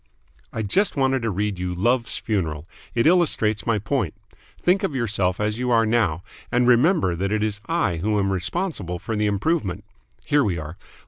"I just wanted to read you 'Love's Funeral!' It illustrates my point. Think of yourself as you are now, and remember that it is I who am responsible for the improvement. Here we are.